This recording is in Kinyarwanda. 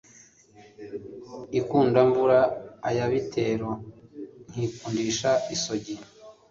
i kundamvura aya bitero, nkikundisha isogi